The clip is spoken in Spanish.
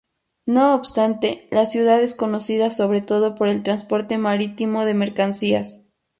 No obstante, la ciudad es conocida sobre todo por el transporte marítimo de mercancías.